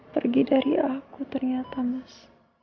pergi dari aku ternyata mas